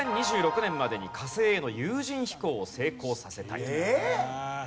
２０２６年までに火星への有人飛行を成功させたいという。